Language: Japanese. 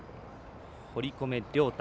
堀米涼太。